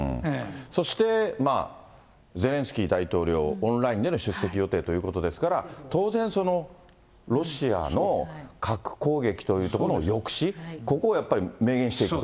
そして、ゼレンスキー大統領、オンラインでの出席予定ということですから、当然、ロシアの核攻撃というところの抑止、ここをやっぱり明言していく。